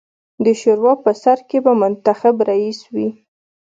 د شورا په سر کې به منتخب رییس وي.